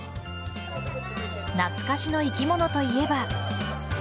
懐かしの生き物といえば。